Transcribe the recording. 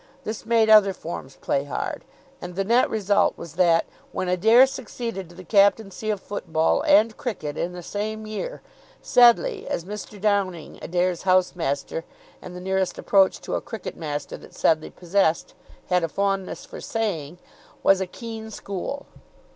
This made other forms play hard. And the net result was that, when Adair succeeded to the captaincy of football and cricket in the same year, Sedleigh, as Mr. Downing, Adair's house master and the nearest approach to a cricket master that Sedleigh possessed, had a fondness for saying, was a keen school.